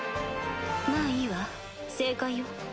まぁいいわ正解よ。